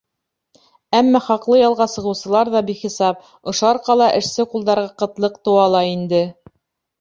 Әммә хаҡлы ялға сығыусылар ҙа бихисап, ошо арҡала эшсе ҡулдарға ҡытлыҡ тыуа ла инде.